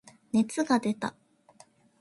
熱が出た。